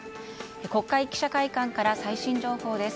国会記者会館から最新情報です。